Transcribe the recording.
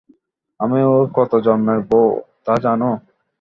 আমি ওর কত জন্মের বৌ তা জানো?